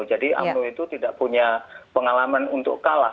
jadi umno itu tidak punya pengalaman untuk kalah